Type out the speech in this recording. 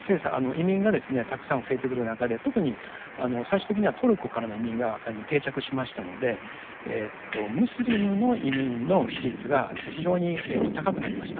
移民がですねたくさん増えてくる中で特に最終的にはトルコからの移民が定着しましたのでムスリムの移民の比率が非常に高くなりました。